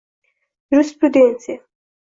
yurisprudensiya;